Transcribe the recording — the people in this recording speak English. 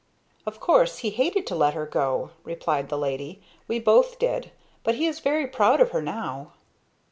"Of course he hated to let her go," replied the lady. "We both did. But he is very proud of her now."